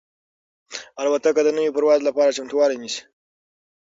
الوتکه د نوي پرواز لپاره چمتووالی نیسي.